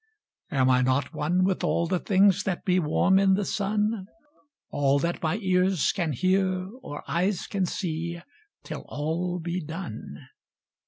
Am I not one with all the things that be Warm in the sun? All that my ears can hear, or eyes can see, Till all be done.